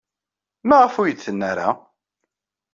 Maɣef ur iyi-d-tenni ara?